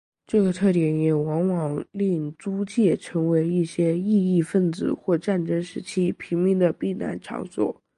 这个特点也往往令租界成为一些异议份子或战争时期平民的避难场所。